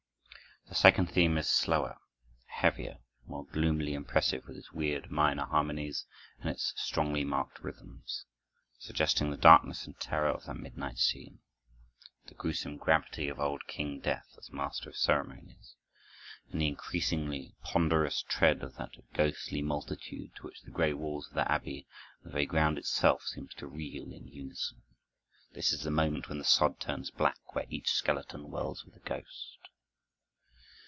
The second theme is slower, heavier, more gloomily impressive, with its weird minor harmonies and its strongly marked rhythms, suggesting the darkness and terror of that midnight scene, the gruesome gravity of old King Death, as master of ceremonies, and the increasingly ponderous tread of that ghostly multitude, to which the gray walls of the abbey and the very ground itself seem to reel in unison. This is the moment when "the sod turns black where each skeleton whirls with a ghost."